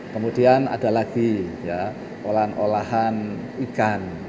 kemudian ada lagi olahan olahan ikan